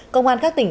công an các tỉnh